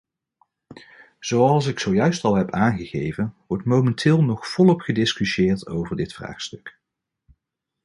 Zoals ik zojuist al heb aangegeven, wordt momenteel nog volop gediscussieerd over dit vraagstuk.